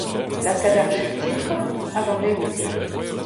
Lakaat ar chug-sitroñs hag an eoul.